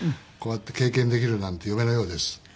こうやって経験できるなんて夢のようです。